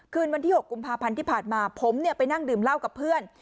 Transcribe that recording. วันที่๖กุมภาพันธ์ที่ผ่านมาผมไปนั่งดื่มเหล้ากับเพื่อน